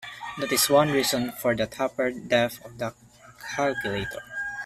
That is one reason for the tapered depth of the calculator.